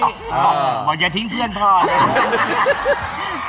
มึงบอกอย่าทิ้งเพื่อนพ่อ